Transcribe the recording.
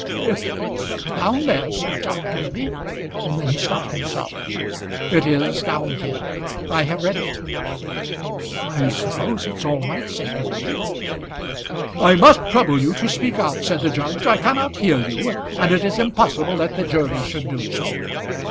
"If it's down there " said John Kenneby, and then he stopped himself. "It is down here; I have read it." "I suppose it's all right," said Kenneby. "I must trouble you to speak out," said the judge; "I cannot hear you, and it is impossible that the jury should do so."